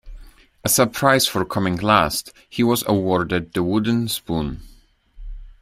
As a prize for coming last, he was awarded the wooden spoon.